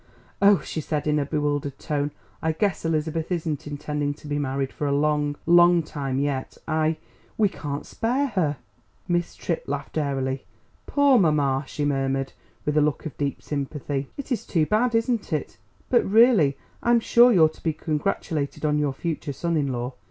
"Oh," she said, in a bewildered tone, "I guess Elizabeth isn't intending to be married for a long, long time yet; I we can't spare her." Miss Tripp laughed airily. "Poor mamma," she murmured with a look of deep sympathy, "it is too bad; isn't it? But, really, I'm sure you're to be congratulated on your future son in law.